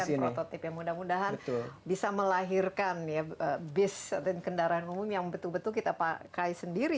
kita bisa menjadikan prototipe yang mudah mudahan bisa melahirkan bis dan kendaraan umum yang betul betul kita pakai sendiri